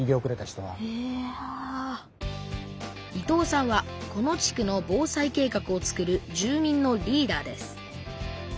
伊藤さんはこの地区の防災計画をつくる住民のリーダーです。